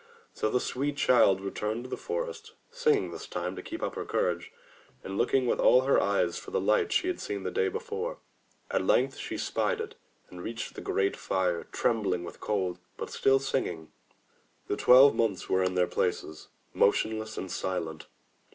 So the sweet girl returned to the forest, singing this time to keep up her courage, and looking with all her eyes for the light she had seen the day before. At length she spied it, and reached the great fire, trembling with cold, but still singing. The Twelve Months were in their places, motionless and silent.